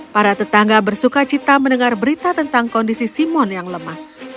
para tetangga bersuka cita mendengar berita tentang kondisi simon yang lemah